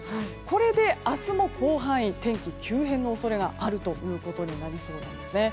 これで明日も広範囲で天気、急変の恐れがあるということになりそうです。